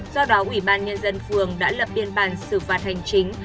do đó ủy ban nhân dân phường đã lập biên bản xử phạt hành chính